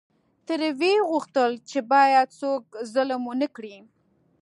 ترې وې غوښتل چې باید څوک ظلم ونکړي.